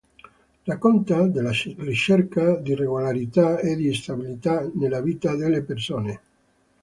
Racconta della ricerca di regolarità e di stabilità nella vita delle persone.